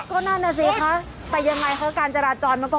ก็ตกเหยุดเลยนะแต่เจ้านักที่เนี่ยพยายามกลับไป